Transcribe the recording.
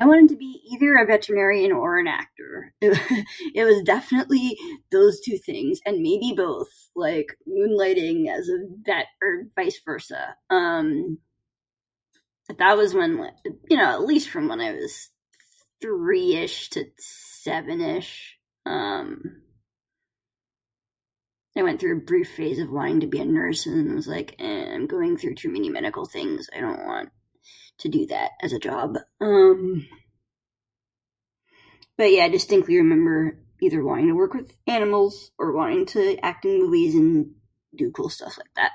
"I wanted to be either a veterinarian or an actor. It was definitely those two things, and maybe both. Like, moonlighting as a vet or vice versa. Um, that was when li-, you know, at least from when I was three-ish to seven-ish. Um, I went through a brief phase of wanting to be a nurse and then was like, ""Eh I'm going through too many medical things, I don't want to do that as a job"". Um, but yeah, I distinctly remember either wanting to work with animals or wanting to act in movies and do cool stuff like that."